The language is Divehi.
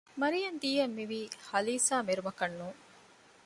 މަރިޔަންދީ އަށް މިވީ ހަލީސާ މެރުމަކަށް ނޫން